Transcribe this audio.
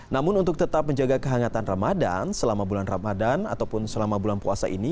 namun untuk tetap menjaga kehangatan ramadan selama bulan ramadan ataupun selama bulan puasa ini